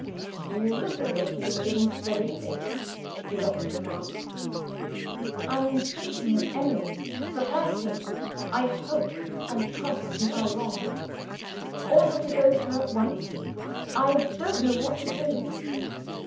"You look as if you didn't believe it," the doctor remarked. "I'm thinking of Emily. For her sake I hope and trust you are wrong. Ought I to go to her at once? I don't know what to do!"